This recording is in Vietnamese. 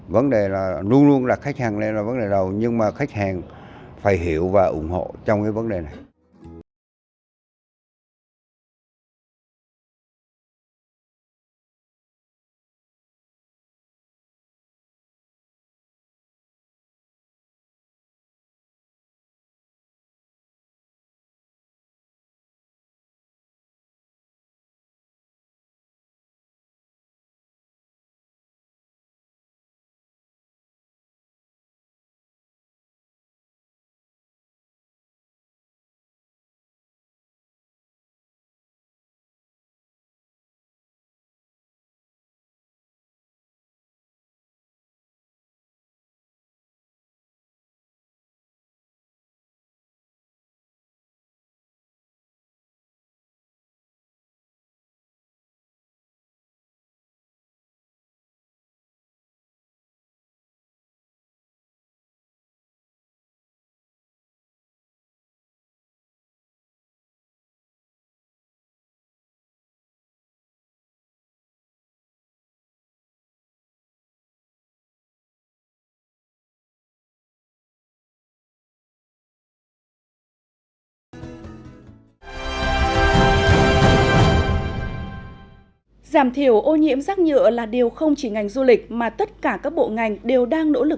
vấn đề là luôn luôn là khách hàng là vấn đề đầu nhưng mà khách hàng phải hiểu và ủng hộ trong cái vấn đề này